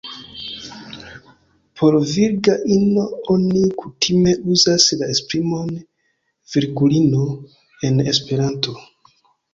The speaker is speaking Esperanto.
Por virga ino oni kutime uzas la esprimon "virgulino" en Esperanto.